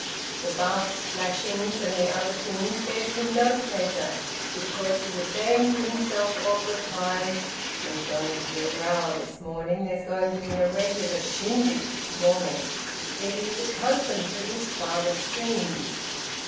The bath splashings and the other things gave him no pleasure, because he was saying to himself all the time, "There's going to be a row this morning. There's going to be a regular shindy this morning!" Yet he was accustomed to his father's scenes...